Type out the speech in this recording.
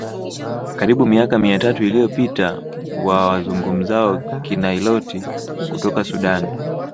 karibu miaka mia tatu iliyopita wa wazungumzao Kinailoti kutoka Sudan